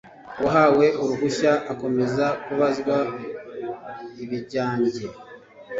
uwahawe uruhushya akomeza kubazwa ibijyanjye